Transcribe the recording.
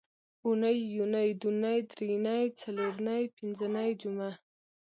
اونۍ یونۍ دونۍ درېنۍ څلورنۍ پینځنۍ جمعه